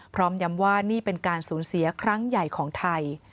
ย้ำว่านี่เป็นการสูญเสียครั้งใหญ่ของไทย